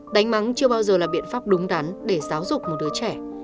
đánh mắng chưa bao giờ là biện pháp đúng đắn để giáo dục một đứa trẻ